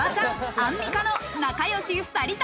アンミカの仲良し二人旅。